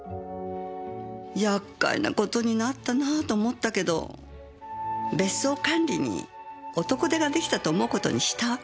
厄介な事になったなと思ったけど別荘管理に男手が出来たと思う事にしたわけ。